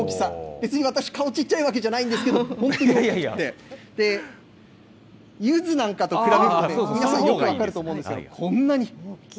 別に私、顔、ちっちゃいわけじゃないんですけど、ゆずなんかと比べると、皆さんよく分かると思うんですけど、こんなに。